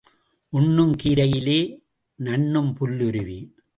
உண்ணும் கீரையிலே நண்ணும் புல்லுருவி.